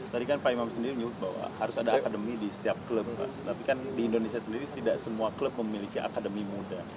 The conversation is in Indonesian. tadi kan pak imam sendiri menyebut bahwa harus ada akademi di setiap klub tapi kan di indonesia sendiri tidak semua klub memiliki akademi muda